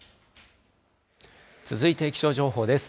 続いて気象情報です。